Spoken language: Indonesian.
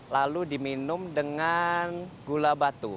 lalu diminum dengan gula batu